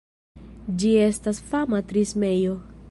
Ĝi estas fama trismejo.